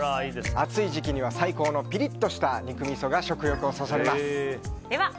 暑い時期には最高のピリッとした肉みそが食欲をそそります。